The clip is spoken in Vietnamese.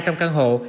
trong căn hộ